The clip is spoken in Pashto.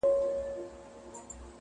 یادونه دي پر سترګو مېلمانه سي رخصتیږي؛